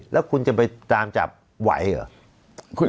แล้วคุณจะไปตามจับไหวเหรอ